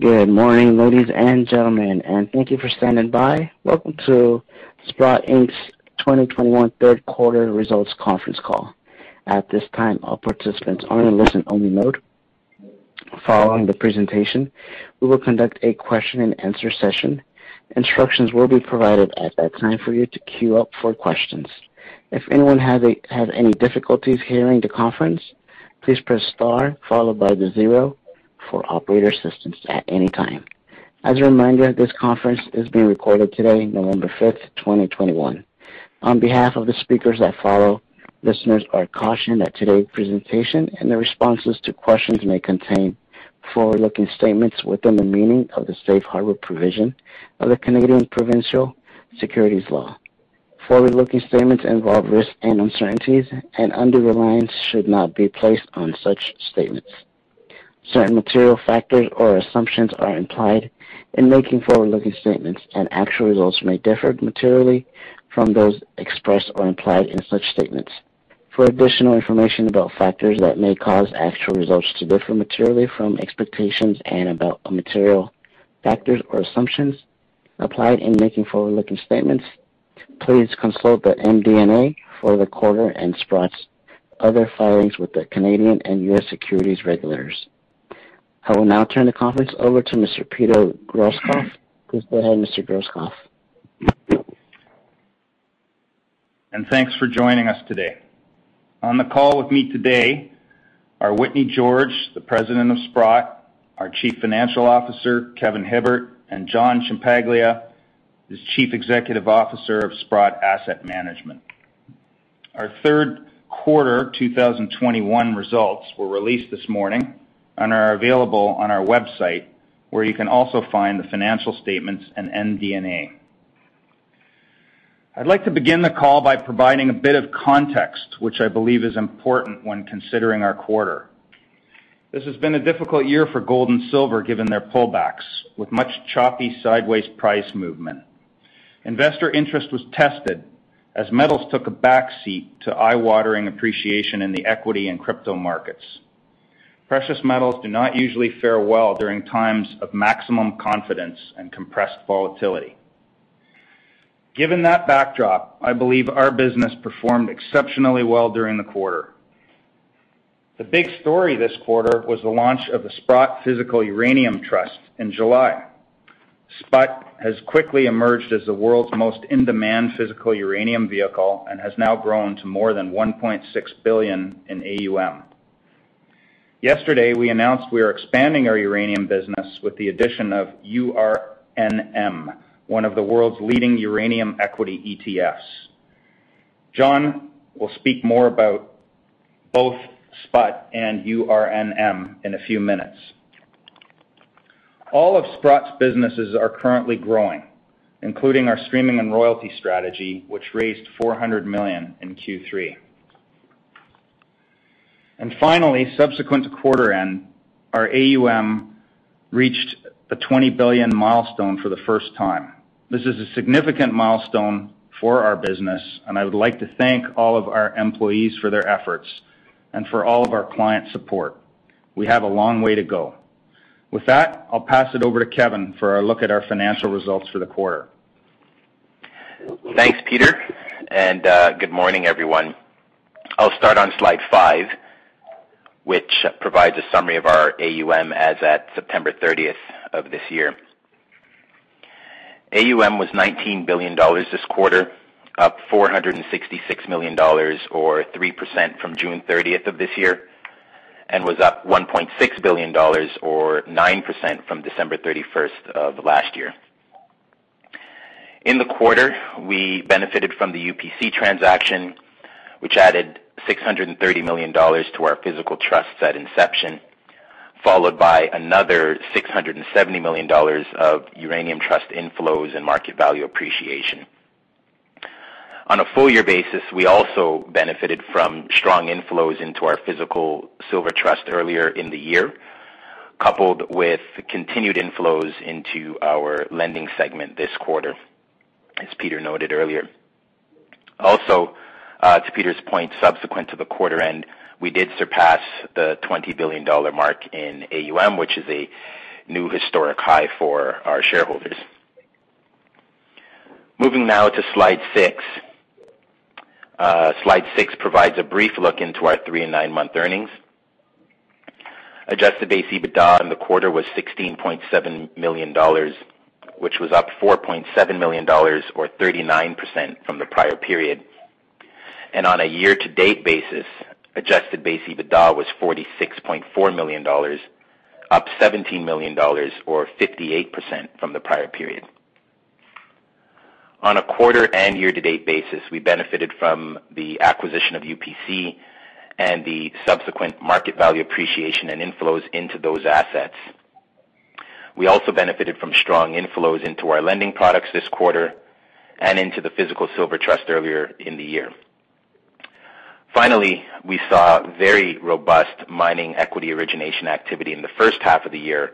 Good morning, ladies and gentlemen, and thank you for standing by. Welcome to Sprott Inc's 2021 third quarter results conference call. At this time, all participants are in listen-only mode. Following the presentation, we will conduct a question-and-answer session. Instructions will be provided at that time for you to queue up for questions. If anyone have any difficulties hearing the conference, please press star followed by the zero for operator assistance at any time. As a reminder, this conference is being recorded today, November 5, 2021. On behalf of the speakers that follow, listeners are cautioned that today's presentation and the responses to questions may contain forward-looking statements within the meaning of the safe harbor provision of the Canadian provincial securities law. Forward-looking statements involve risks and uncertainties and undue reliance should not be placed on such statements. Certain material factors or assumptions are implied in making forward-looking statements, and actual results may differ materially from those expressed or implied in such statements. For additional information about factors that may cause actual results to differ materially from expectations and about material factors or assumptions applied in making forward-looking statements, please consult the MD&A for the quarter and Sprott's other filings with the Canadian and U.S. securities regulators. I will now turn the conference over to Mr. Peter Grosskopf. Please go ahead, Mr. Grosskopf. Thanks for joining us today. On the call with me today are Whitney George, the President of Sprott, our Chief Financial Officer, Kevin Hibbert, and John Ciampaglia is Chief Executive Officer of Sprott Asset Management. Our third quarter 2021 results were released this morning and are available on our website, where you can also find the financial statements and MD&A. I'd like to begin the call by providing a bit of context, which I believe is important when considering our quarter. This has been a difficult year for gold and silver, given their pullbacks, with much choppy sideways price movement. Investor interest was tested as metals took a backseat to eye-watering appreciation in the equity and crypto markets. Precious metals do not usually fare well during times of maximum confidence and compressed volatility. Given that backdrop, I believe our business performed exceptionally well during the quarter. The big story this quarter was the launch of the Sprott Physical Uranium Trust in July. SPUT has quickly emerged as the world's most in-demand physical uranium vehicle and has now grown to more than $1.6 billion in AUM. Yesterday, we announced we are expanding our uranium business with the addition of URNM, one of the world's leading uranium equity ETFs. John will speak more about both SPUT and URNM in a few minutes. All of Sprott's businesses are currently growing, including our streaming and royalty strategy, which raised $400 million in Q3. Finally, subsequent to quarter end, our AUM reached the $20 billion milestone for the first time. This is a significant milestone for our business, and I would like to thank all of our employees for their efforts and for all of our client support. We have a long way to go. With that, I'll pass it over to Kevin for a look at our financial results for the quarter. Thanks, Peter, and good morning, everyone. I'll start on slide five, which provides a summary of our AUM as at September 30 of this year. AUM was $19 billion this quarter, up $466 million or 3% from June 30 of this year, and was up $1.6 billion or 9% from December 31 of last year. In the quarter, we benefited from the UPC transaction, which added $630 million to our physical trusts at inception, followed by another $670 million of uranium trust inflows and market value appreciation. On a full year basis, we also benefited from strong inflows into our physical silver trust earlier in the year, coupled with continued inflows into our lending segment this quarter, as Peter noted earlier. To Peter's point, subsequent to the quarter end, we did surpass the $20 billion mark in AUM, which is a new historic high for our shareholders. Moving now to slide six. Slide six provides a brief look into our three- and nine-month earnings. Adjusted base EBITDA in the quarter was $16.7 million, which was up $4.7 million or 39% from the prior period. On a year-to-date basis, adjusted base EBITDA was $46.4 million, up $17 million or 58% from the prior period. On a quarter and year-to-date basis, we benefited from the acquisition of UPC and the subsequent market value appreciation and inflows into those assets. We also benefited from strong inflows into our lending products this quarter and into the physical silver trust earlier in the year. Finally, we saw very robust mining equity origination activity in the first half of the year,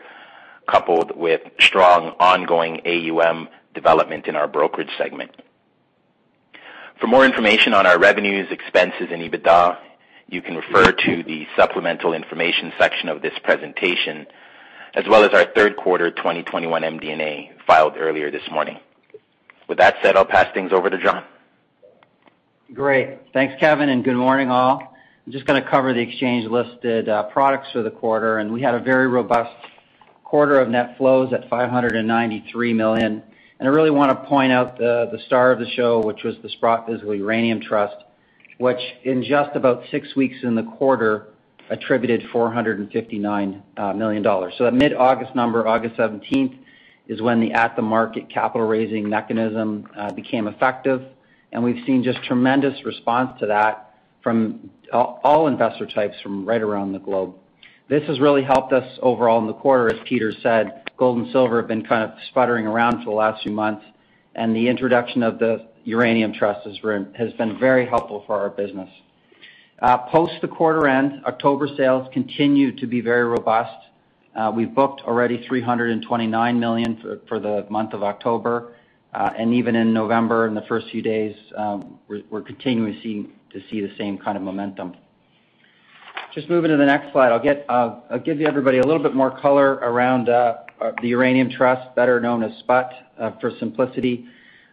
coupled with strong ongoing AUM development in our brokerage segment. For more information on our revenues, expenses, and EBITDA, you can refer to the supplemental information section of this presentation, as well as our third quarter 2021 MD&A filed earlier this morning. With that said, I'll pass things over to John. Great. Thanks, Kevin, and good morning, all. I'm just gonna cover the exchange-listed products for the quarter, and we had a very robust quarter of net flows at $593 million. I really wanna point out the star of the show, which was the Sprott Physical Uranium Trust, which in just about six weeks in the quarter attracted $459 million. That mid-August number, August seventeenth, is when the at-the-market capital-raising mechanism became effective, and we've seen just tremendous response to that from all investor types from right around the globe. This has really helped us overall in the quarter. As Peter said, gold and silver have been kind of sputtering around for the last few months, and the introduction of the Uranium Trust has been very helpful for our business. Post the quarter end, October sales continue to be very robust. We've booked already $329 million for the month of October. Even in November, in the first few days, we're continuing to see the same kind of momentum. Just moving to the next slide, I'll give everybody a little bit more color around the Uranium Trust, better known as SPUT, for simplicity.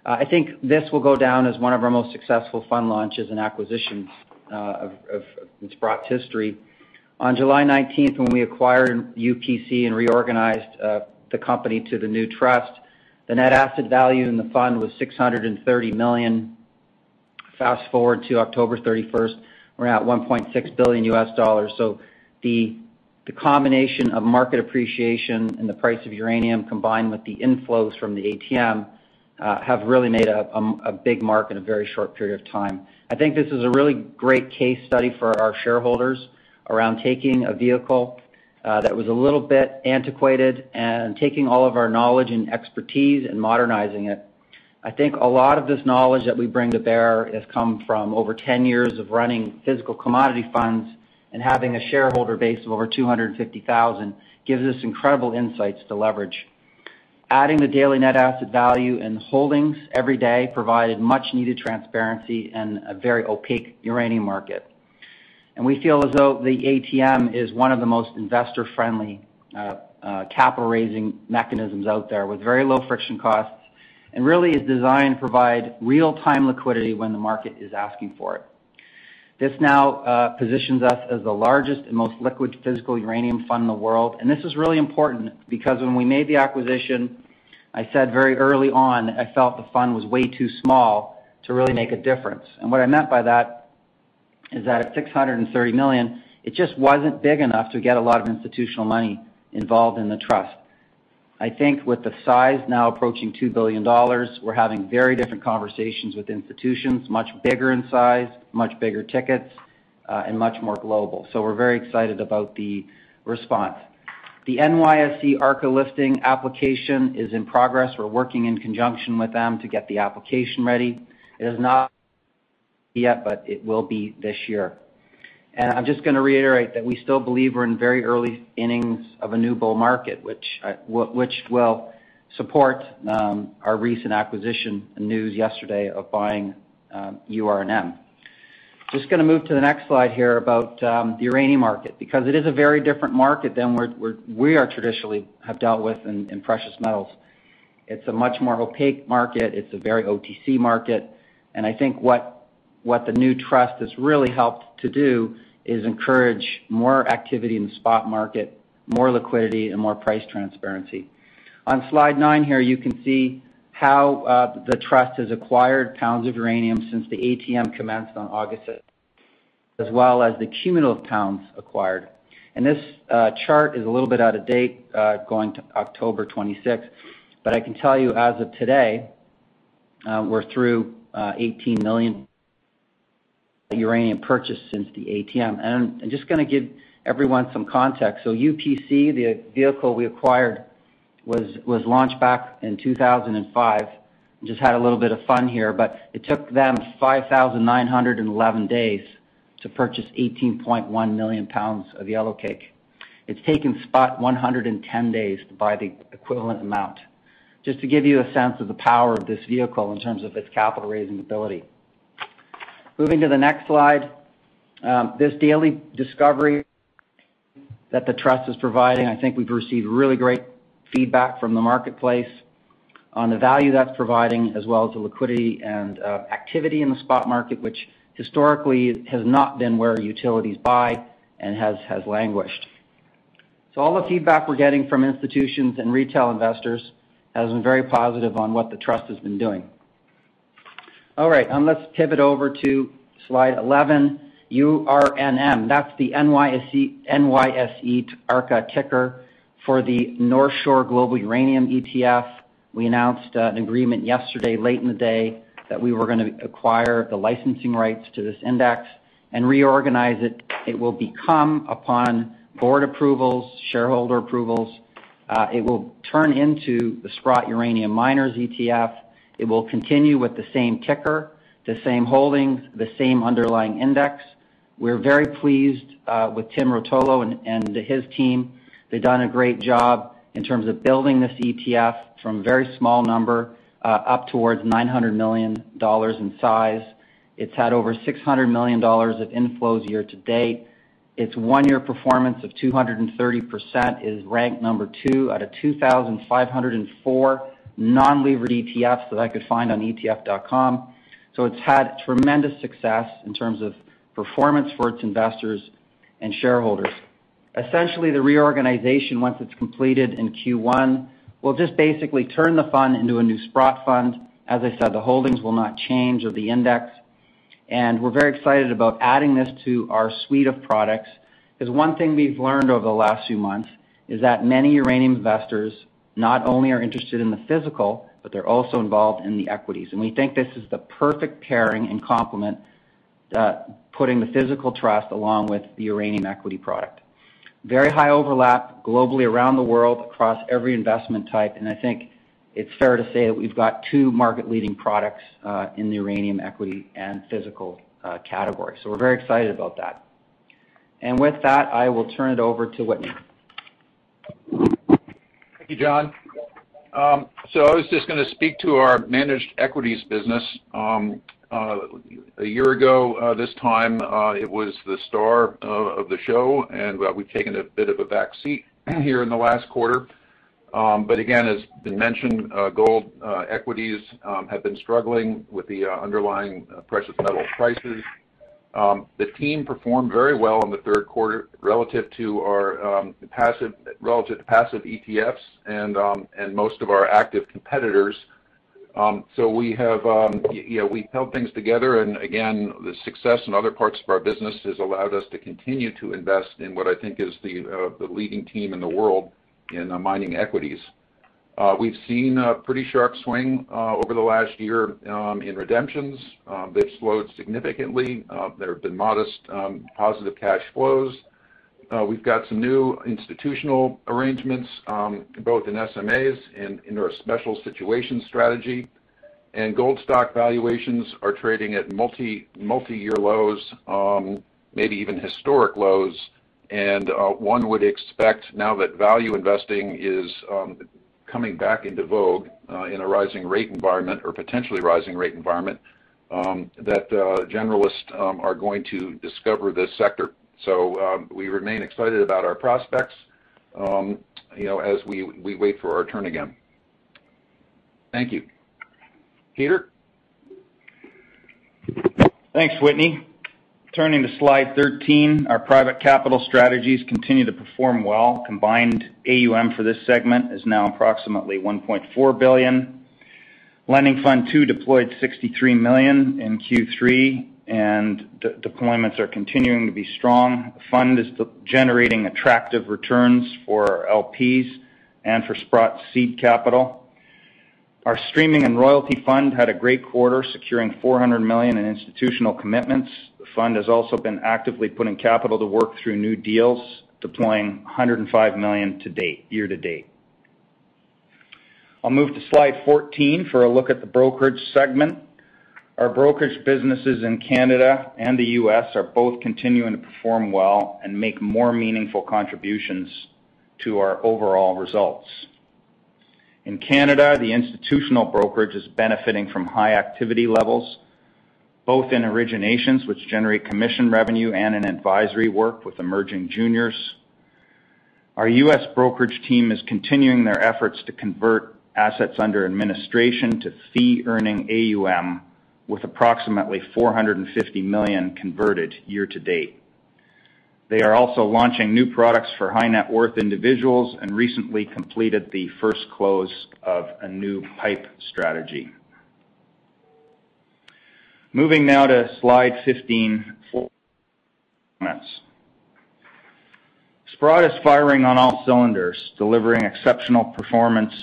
I think this will go down as one of our most successful fund launches and acquisitions of Sprott's history. On July 19, when we acquired UPC and reorganized the company to the new trust, the net asset value in the fund was $630 million. Fast-forward to October 31, we're now at $1.6 billion. The combination of market appreciation and the price of uranium combined with the inflows from the ATM have really made a big mark in a very short period of time. I think this is a really great case study for our shareholders around taking a vehicle that was a little bit antiquated and taking all of our knowledge and expertise and modernizing it. I think a lot of this knowledge that we bring to bear has come from over 10 years of running physical commodity funds and having a shareholder base of over 250,000 gives us incredible insights to leverage. Adding the daily net asset value and holdings every day provided much-needed transparency in a very opaque uranium market. We feel as though the ATM is one of the most investor-friendly, capital-raising mechanisms out there with very low friction costs and really is designed to provide real-time liquidity when the market is asking for it. This now positions us as the largest and most liquid physical uranium fund in the world. This is really important because when we made the acquisition, I said very early on, I felt the fund was way too small to really make a difference. What I meant by that is that at $630 million, it just wasn't big enough to get a lot of institutional money involved in the trust. I think with the size now approaching $2 billion, we're having very different conversations with institutions much bigger in size, much bigger tickets, and much more global. We're very excited about the response. The NYSE Arca listing application is in progress. We're working in conjunction with them to get the application ready. It is not yet, but it will be this year. I'm just gonna reiterate that we still believe we're in very early innings of a new bull market, which will support our recent acquisition news yesterday of buying URNM. Just gonna move to the next slide here about the uranium market because it is a very different market than we traditionally have dealt with in precious metals. It's a much more opaque market. It's a very OTC market. I think what the new trust has really helped to do is encourage more activity in the spot market, more liquidity, and more price transparency. On slide nine here, you can see how the trust has acquired pounds of uranium since the ATM commenced on August as well as the cumulative pounds acquired. This chart is a little bit out of date going to October 26th. I can tell you as of today, we're through 18 million uranium purchases since the ATM. I'm just gonna give everyone some context. UPC, the vehicle we acquired was launched back in 2005. Just had a little bit of fun here, but it took them 5,911 days to purchase 18.1 million pounds of yellowcake. It's taken SPUT 110 days to buy the equivalent amount, just to give you a sense of the power of this vehicle in terms of its capital-raising ability. Moving to the next slide, this daily discovery that the trust is providing, I think we've received really great feedback from the marketplace on the value that's providing as well as the liquidity and activity in the spot market, which historically has not been where utilities buy and has languished. All the feedback we're getting from institutions and retail investors has been very positive on what the trust has been doing. All right. Let's pivot over to slide eleven. URNM, that's the NYSE Arca ticker for the North Shore Global Uranium Mining ETF. We announced an agreement yesterday, late in the day, that we were gonna acquire the licensing rights to this index and reorganize it. It will become upon board approvals, shareholder approvals. It will turn into the Sprott Uranium Miners ETF. It will continue with the same ticker, the same holdings, the same underlying index. We're very pleased with Tim Rotolo and his team. They've done a great job in terms of building this ETF from a very small number up towards $900 million in size. It's had over $600 million of inflows year-to-date. Its one-year performance of 230% is ranked number two out of 2,504 non-levered ETFs that I could find on etf.com. It's had tremendous success in terms of performance for its investors and shareholders. Essentially, the reorganization, once it's completed in Q1, will just basically turn the fund into a new Sprott fund. As I said, the holdings will not change or the index. We're very excited about adding this to our suite of products. 'Cause one thing we've learned over the last few months is that many uranium investors not only are interested in the physical, but they're also involved in the equities. We think this is the perfect pairing and complement, putting the physical trust along with the uranium equity product. Very high overlap globally around the world across every investment type, and I think it's fair to say that we've got two market-leading products, in the uranium equity and physical, category. We're very excited about that. With that, I will turn it over to Whitney. Thank you, John. I was just gonna speak to our managed equities business. A year ago this time, it was the star of the show, and we've taken a bit of a back seat here in the last quarter. Again, as has been mentioned, gold equities have been struggling with the underlying precious metal prices. The team performed very well in the third quarter relative to our passive ETFs and most of our active competitors. We have, you know, we've held things together, and again, the success in other parts of our business has allowed us to continue to invest in what I think is the leading team in the world in mining equities. We've seen a pretty sharp swing over the last year in redemptions. They've slowed significantly. There have been modest positive cash flows. We've got some new institutional arrangements both in SMAs and in our special situation strategy. Gold stock valuations are trading at multi-year lows, maybe even historic lows. One would expect now that value investing is coming back into vogue in a rising rate environment or potentially rising rate environment that generalists are going to discover this sector. We remain excited about our prospects you know as we wait for our turn again. Thank you. Peter? Thanks, Whitney. Turning to slide 13, our private capital strategies continue to perform well. Combined AUM for this segment is now approximately $1.4 billion. Lending Fund two deployed $63 million in Q3, and de-deployments are continuing to be strong. The fund is still generating attractive returns for LPs and for Sprott seed capital. Our streaming and royalty fund had a great quarter, securing $400 million in institutional commitments. The fund has also been actively putting capital to work through new deals, deploying $105 million to date, year-to-date. I'll move to slide 14 for a look at the brokerage segment. Our brokerage businesses in Canada and the U.S. are both continuing to perform well and make more meaningful contributions to our overall results. In Canada, the institutional brokerage is benefiting from high activity levels, both in originations, which generate commission revenue and in advisory work with emerging juniors. Our U.S. brokerage team is continuing their efforts to convert assets under administration to fee-earning AUM, with approximately $450 million converted year-to-date. They are also launching new products for high-net-worth individuals and recently completed the first close of a new PIPE strategy. Moving now to slide 15, Sprott is firing on all cylinders, delivering exceptional performance,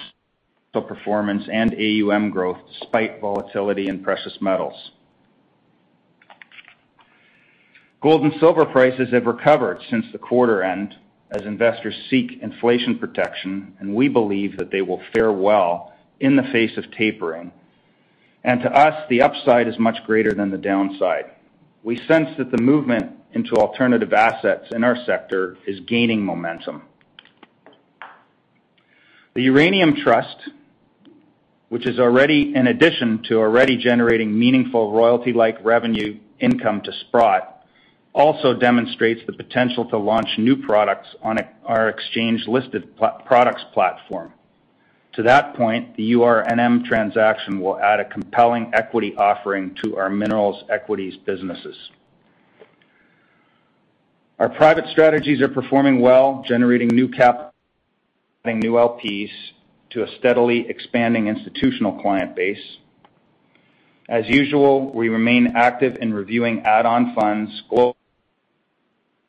the performance and AUM growth despite volatility in precious metals. Gold and silver prices have recovered since the quarter end as investors seek inflation protection, and we believe that they will fare well in the face of tapering. To us, the upside is much greater than the downside. We sense that the movement into alternative assets in our sector is gaining momentum. The Uranium Trust, which is already generating meaningful royalty-like revenue income to Sprott, also demonstrates the potential to launch new products on our exchange-listed products platform. To that point, the URNM transaction will add a compelling equity offering to our minerals equities businesses. Our private strategies are performing well, generating new LPs to a steadily expanding institutional client base. As usual, we remain active in reviewing add-on funds,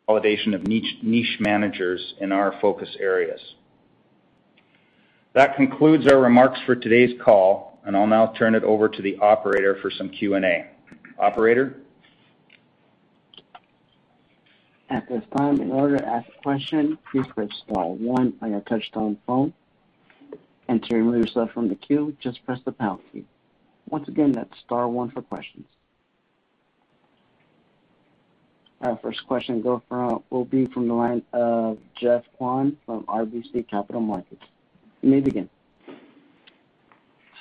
validation of niche managers in our focus areas. That concludes our remarks for today's call, and I'll now turn it over to the operator for some Q&A. Operator? Our first question will be from the line of Geoffrey Kwan from RBC Capital Markets. You may begin.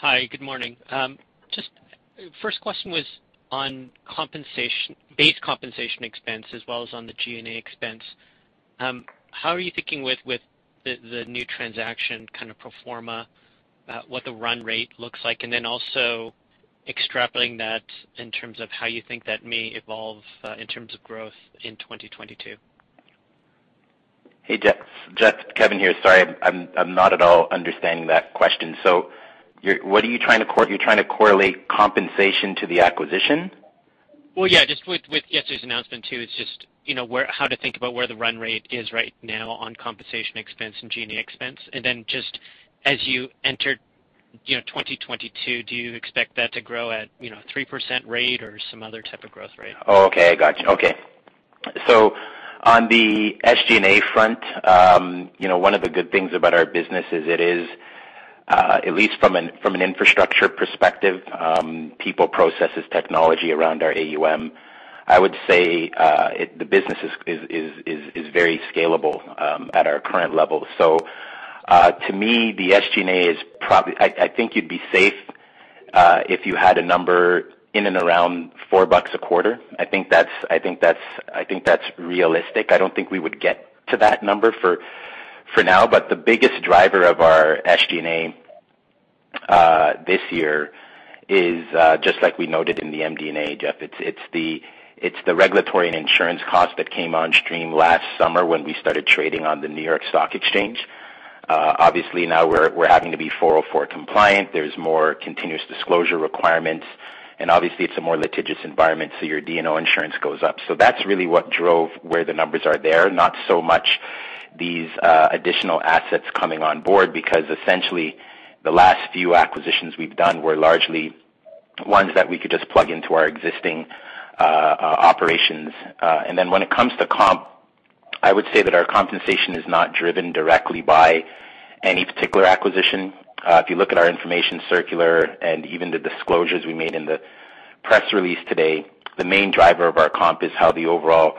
Hi, good morning. Just first question was on compensation, base compensation expense as well as on the G&A expense. How are you thinking with the new transaction kind of pro forma, what the run-rate looks like? Then also extrapolating that in terms of how you think that may evolve, in terms of growth in 2022. Hey, Jeff. Kevin here. Sorry, I'm not at all understanding that question. You're trying to correlate compensation to the acquisition? Well, yeah, just with yesterday's announcement, too, it's just, you know, how to think about where the run-rate is right now on compensation expense and G&A expense. Just as you enter, you know, 2022, do you expect that to grow at, you know, 3% rate or some other type of growth rate? Oh, okay. I got you. Okay. On the SG&A front, you know, one of the good things about our business is it is at least from an infrastructure perspective, people, processes, technology around our AUM. I would say, the business is very scalable at our current levels. To me, the SG&A is probably. I think you'd be safe if you had a number in and around $4 a quarter. I think that's realistic. I don't think we would get to that number for now. The biggest driver of our SG&A this year is just like we noted in the MD&A, Jeff, it's the regulatory and insurance cost that came on stream last summer when we started trading on the New York Stock Exchange. Obviously, now we're having to be 404 compliant. There's more continuous disclosure requirements, and obviously it's a more litigious environment, so your D&O insurance goes up. That's really what drove where the numbers are there. Not so much these additional assets coming on board, because essentially, the last few acquisitions we've done were largely ones that we could just plug into our existing operations. And then when it comes to comp, I would say that our compensation is not driven directly by any particular acquisition. If you look at our information circular and even the disclosures we made in the press release today, the main driver of our comp is how the overall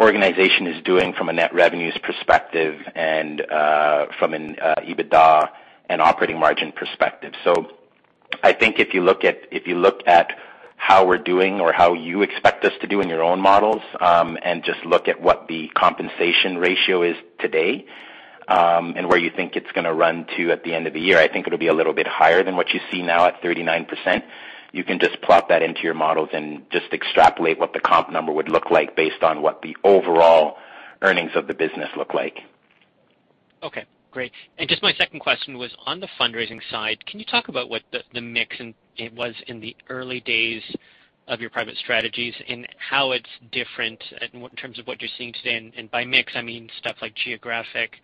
organization is doing from a net revenues perspective and from an EBITDA and operating margin perspective. I think if you look at how we're doing or how you expect us to do in your own models, and just look at what the compensation ratio is today, and where you think it's gonna run to at the end of the year, I think it'll be a little bit higher than what you see now at 39%. You can just plop that into your models and just extrapolate what the comp number would look like based on what the overall earnings of the business look like. Okay, great. Just my second question was, on the fundraising side, can you talk about what the mix was in the early days of your private strategies and how it's different in terms of what you're seeing today? By mix, I mean stuff like geographic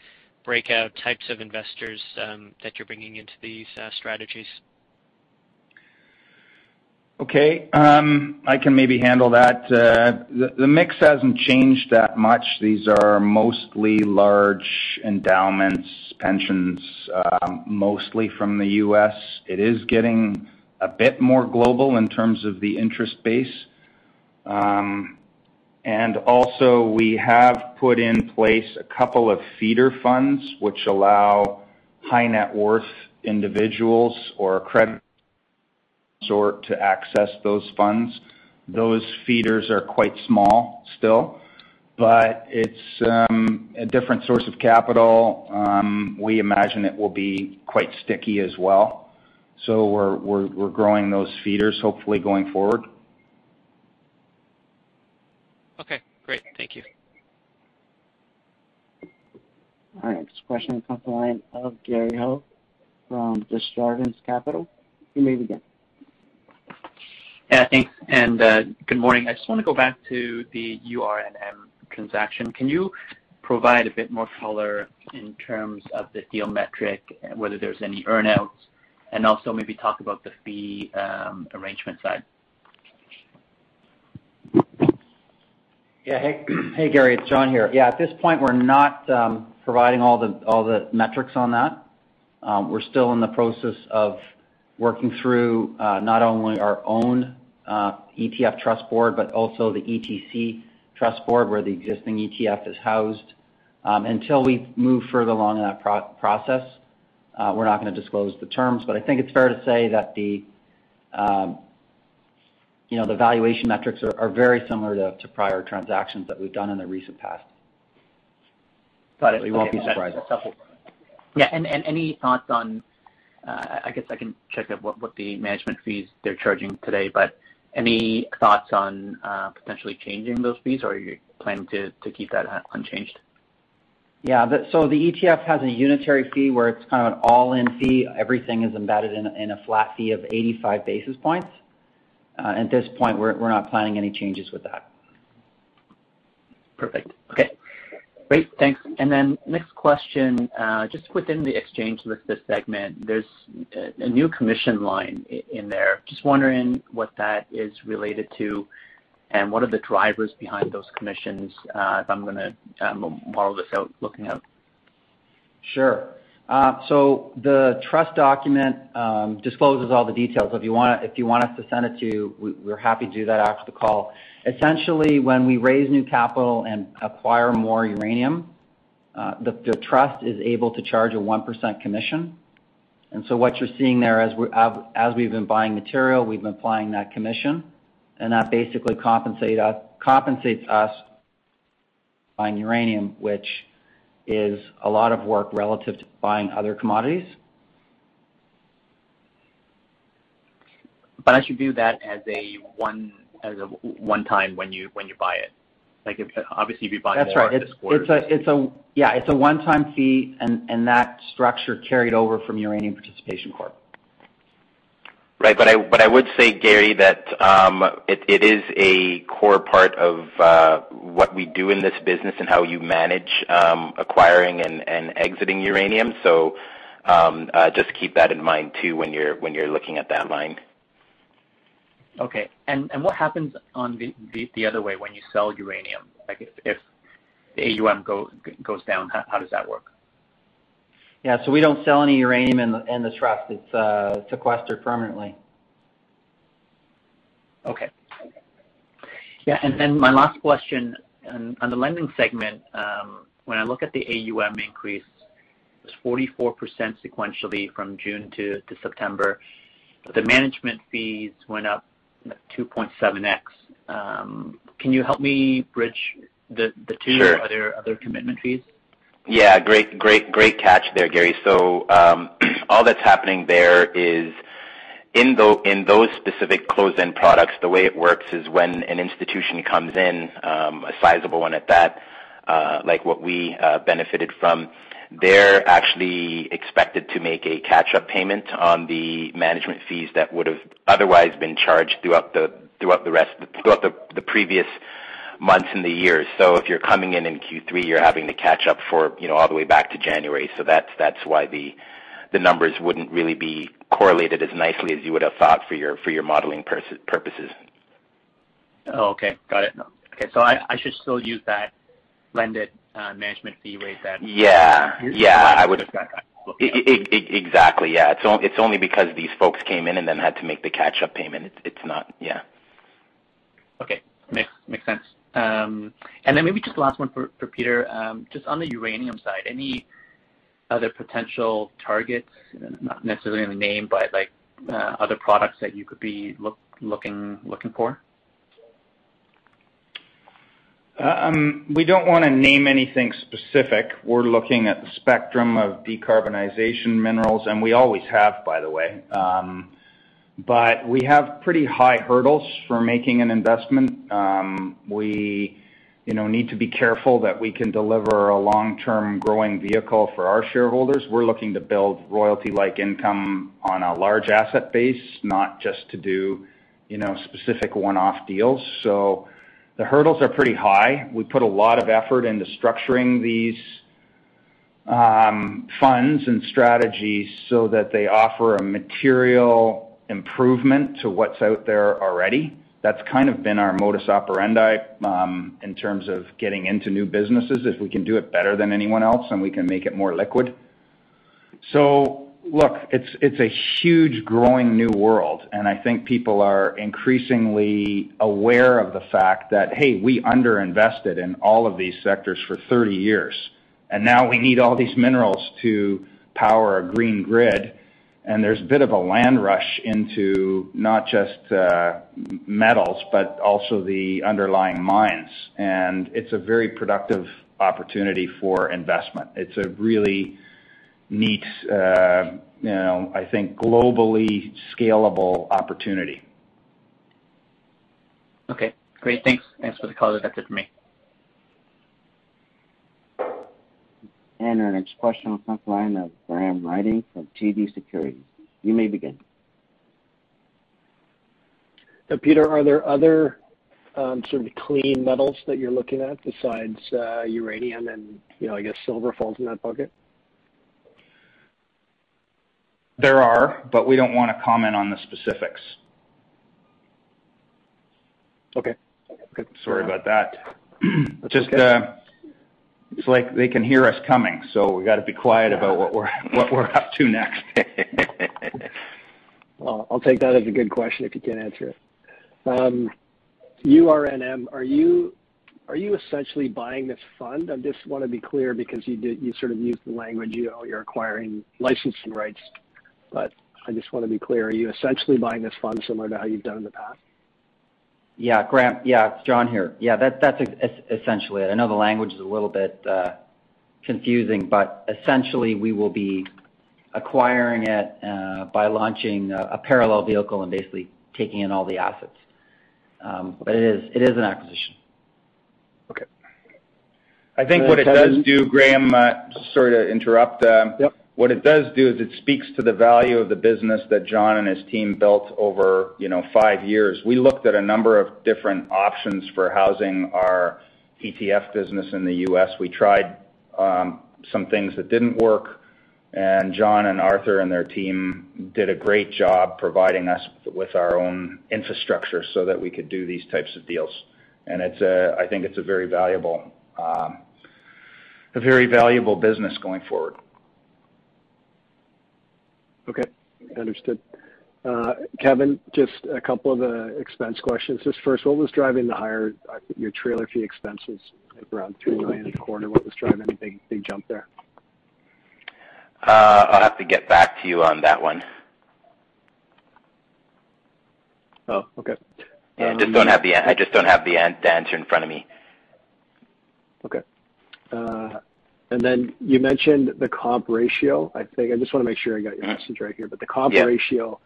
breakdown, types of investors that you're bringing into these strategies. Okay. I can maybe handle that. The mix hasn't changed that much. These are mostly large endowments, pensions, mostly from the U.S. It is getting a bit more global in terms of the interest base. Also we have put in place a couple of feeder funds which allow high net worth individuals or accredited investors to access those funds. Those feeders are quite small still, but it's a different source of capital. We imagine it will be quite sticky as well. We're growing those feeders hopefully going forward. Okay, great. Thank you. Our next question comes from the line of Gary Ho from Desjardins Capital. You may begin. Yeah, thanks, good morning. I just want to go back to the URNM transaction. Can you provide a bit more color in terms of the deal metric, whether there's any earnouts, and also maybe talk about the fee, arrangement side? Yeah. Hey, Gary, it's John here. Yeah, at this point, we're not providing all the metrics on that. We're still in the process of working through not only our own ETF trust board, but also the ETF trust board where the existing ETF is housed. Until we move further along in that process, we're not gonna disclose the terms. I think it's fair to say that you know the valuation metrics are very similar to prior transactions that we've done in the recent past. You won't be surprised. Yeah. Any thoughts on, I guess I can check out what the management fees they're charging today, but any thoughts on potentially changing those fees, or are you planning to keep that unchanged? Yeah. The ETF has a unitary fee where it's kind of an all-in fee. Everything is embedded in a flat fee of 85 basis points. At this point, we're not planning any changes with that. Perfect. Okay. Great. Thanks. Then next question, just within the exchange listed segment, there's a new commission line in there. Just wondering what that is related to. What are the drivers behind those commissions, if I'm gonna model this out, looking out? Sure. The trust document discloses all the details. If you want us to send it to you, we're happy to do that after the call. Essentially, when we raise new capital and acquire more uranium, the trust is able to charge a 1% commission. What you're seeing there, as we've been buying material, we've been applying that commission. That basically compensates us on uranium, which is a lot of work relative to buying other commodities. I should do that as a one-time when you buy it. Like if, obviously, if you buy more- That's right. this quarter Yeah, it's a one-time fee, and that structure carried over from Uranium Participation Corporation. Right. I would say, Gary, that it is a core part of what we do in this business and how you manage acquiring and exiting uranium. Just keep that in mind too when you're looking at that line. Okay. What happens on the other way when you sell uranium? Like if AUM goes down, how does that work? Yeah. We don't sell any uranium in the trust. It's sequestered permanently. Okay. Yeah. My last question on the lending segment, when I look at the AUM increase, it was 44% sequentially from June-September. The management fees went up 2.7x. Can you help me bridge the two? Sure. Are there other commitment fees? Yeah. Great catch there, Gary. All that's happening there is in those specific closed-end products, the way it works is when an institution comes in, a sizable one at that, like what we benefited from. They're actually expected to make a catch-up payment on the management fees that would've otherwise been charged throughout the previous months and the years. If you're coming in in Q3, you're having to catch up for, you know, all the way back to January. That's why the numbers wouldn't really be correlated as nicely as you would have thought for your modeling purposes. Oh, okay. Got it. Okay. I should still use that blended management fee rate then? Yeah. Yeah. Exactly, yeah. It's only because these folks came in and then had to make the catch-up payment. It's not. Yeah. Okay. Makes sense. Maybe just last one for Peter. Just on the uranium side, any other potential targets? Not necessarily in the name, but like, other products that you could be looking for? We don't wanna name anything specific. We're looking at the spectrum of decarbonization minerals, and we always have, by the way. We have pretty high hurdles for making an investment. We, you know, need to be careful that we can deliver a long-term growing vehicle for our shareholders. We're looking to build royalty-like income on a large asset base, not just to do, you know, specific one-off deals. The hurdles are pretty high. We put a lot of effort into structuring these funds and strategies so that they offer a material improvement to what's out there already. That's kind of been our modus operandi in terms of getting into new businesses if we can do it better than anyone else and we can make it more liquid. Look, it's a huge growing new world, and I think people are increasingly aware of the fact that, hey, we underinvested in all of these sectors for 30 years, and now we need all these minerals to power a green grid. There's a bit of a land rush into not just metals, but also the underlying mines. It's a very productive opportunity for investment. It's a really neat, you know, I think globally scalable opportunity. Okay. Great. Thanks. Thanks for the call. That's it for me. Our next question on the phone line of Graham Ryding from TD Securities. You may begin. Peter, are there other sort of clean metals that you're looking at besides uranium and, you know, I guess silver falls in that bucket? There are, but we don't wanna comment on the specifics. Okay. Good. Sorry about that. That's okay. Just, it's like they can hear us coming, so we gotta be quiet about what we're up to next. Well, I'll take that as a good question if you can't answer it. URNM, are you essentially buying this fund? I just wanna be clear because you sort of used the language, you know, you're acquiring licensing rights, but I just wanna be clear. Are you essentially buying this fund similar to how you've done in the past? Yeah. Graham. Yeah. It's John here. Yeah, that's essentially. I know the language is a little bit confusing, but essentially, we will be acquiring it by launching a parallel vehicle and basically taking in all the assets. But it is an acquisition. Okay. I think what it does do, Graham, sorry to interrupt. Yep. What it does do is it speaks to the value of the business that John and his team built over, you know, five years. We looked at a number of different options for housing our ETF business in the U.S. We tried some things that didn't work. John and Arthur and their team did a great job providing us with our own infrastructure so that we could do these types of deals. I think it's a very valuable business going forward. Okay. Understood. Kevin, just a couple of expense questions. Just first, what was driving the higher your trailer fee expenses at around $2 million in the quarter? What was driving the big jump there? I'll have to get back to you on that one. Oh, okay. I just don't have the answer in front of me. Okay. You mentioned the comp ratio. I think I just wanna make sure I got your message right here. Yeah. The comp ratio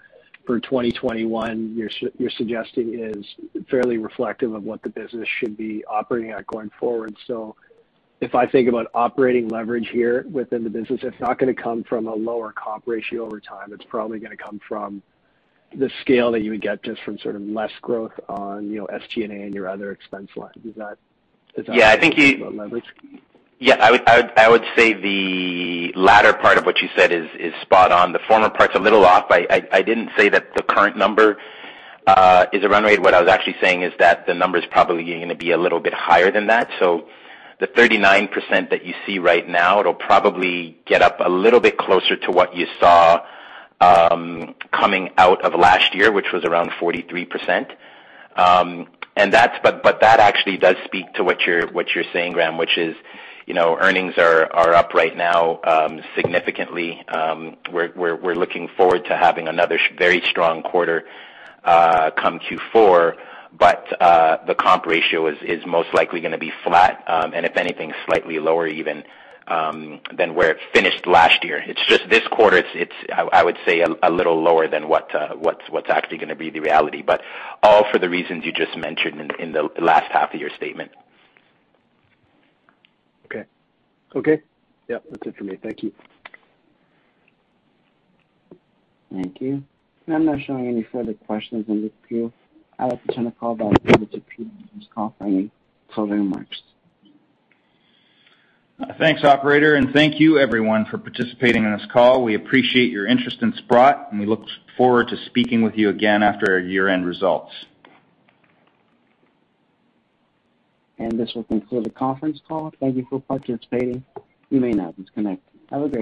for 2021, you're suggesting is fairly reflective of what the business should be operating at going forward. If I think about operating leverage here within the business, it's not gonna come from a lower comp ratio over time. It's probably gonna come from the scale that you would get just from sort of less growth on, you know, SG&A and your other expense lines. Is that leverage? Yeah, I would say the latter part of what you said is spot on. The former part's a little off. I didn't say that the current number is a run-rate. What I was actually saying is that the number's probably gonna be a little bit higher than that. The 39% that you see right now, it'll probably get up a little bit closer to what you saw coming out of last year, which was around 43%. That actually does speak to what you're saying, Graham, which is, you know, earnings are up right now significantly. We're looking forward to having another very strong quarter come Q4. The comp ratio is most likely gonna be flat, and if anything, slightly lower even, than where it finished last year. It's just this quarter. It's a little lower than what's actually gonna be the reality. All for the reasons you just mentioned in the last half of your statement. Okay. Okay. Yeah, that's it for me. Thank you. Thank you. I'm not showing any further questions in the queue. I'd like to turn the call back over to Peter to make his closing remarks. Thanks, operator, and thank you everyone for participating on this call. We appreciate your interest in Sprott, and we look forward to speaking with you again after our year-end results. This will conclude the conference call. Thank you for participating. You may now disconnect. Have a great day.